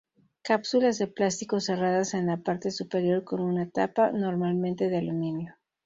Cápsulas de plástico cerradas en la parte superior con una tapa, normalmente de aluminio.